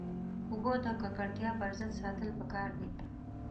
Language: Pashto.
اوبه د ککړتیا پر ضد ساتل پکار دي.